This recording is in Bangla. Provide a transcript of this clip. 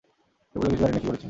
সে বললে, কিছু জানি নে, কী করেছি।